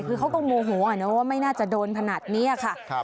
คือเขาก็โมโหนะว่าไม่น่าจะโดนขนาดนี้ค่ะ